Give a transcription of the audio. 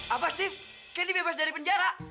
apa steve candy bebas dari penjara